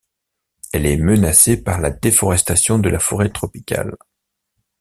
Elle est menacée par la déforestation de la forêt tropicale.